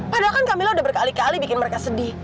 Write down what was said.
padahal kan camilla udah berkali kali bikin mereka sedih